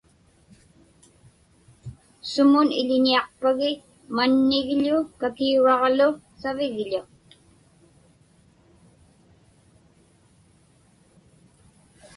Sumun iḷiniaqpagi mannigḷu kakiuraġlu savigḷu?